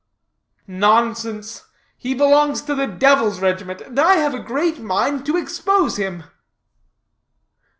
"Nonsense; he belongs to the Devil's regiment; and I have a great mind to expose him."